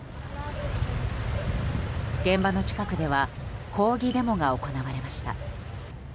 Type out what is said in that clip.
現場の近くでは抗議デモが行われました。